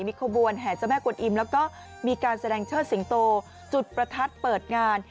ขบวนแห่เจ้าแม่กวนอิมแล้วก็มีการแสดงเชิดสิงโตจุดประทัดเปิดงาน